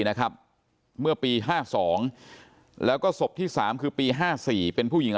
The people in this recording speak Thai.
นะครับเมื่อปี๕๒แล้วก็ศพที่๓คือปี๕๔เป็นผู้หญิง